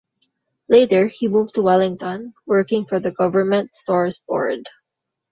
Later, he moved to Wellington, working for the Government Stores Board.